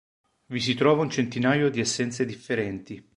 Vi si trova un centinaio di essenze differenti.